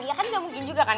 ya kan gak mungkin juga kan